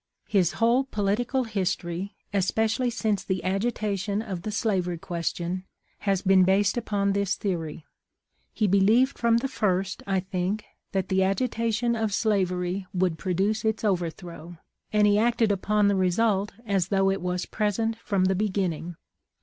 His whole political history, especially since the agitation of the slavery question, has been based upon this theory. He believed from the first, I think, that the agitation of slavery would produce its overthrow, and he acted upon the result as though it was present from the beginning.